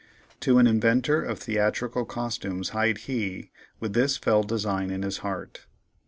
To an inventor of theatrical costumes hied he with this fell design in his heart.